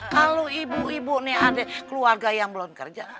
kalau ibu ibu nih adik keluarga yang belum kerja